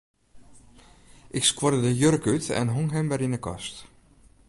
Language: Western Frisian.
Ik skuorde de jurk út en hong him wer yn 'e kast.